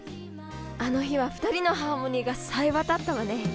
あの日はふたりのハーモニーがさえ渡ったわね。